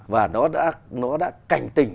và nó đã cảnh tình